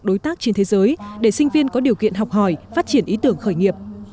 đối tác trên thế giới để sinh viên có điều kiện học hỏi phát triển ý tưởng khởi nghiệp